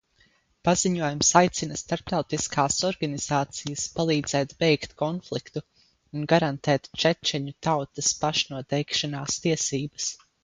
Paziņojums aicina starptautiskās organizācijas palīdzēt beigt konfliktu un garantēt čečenu tautas pašnoteikšanās tiesības.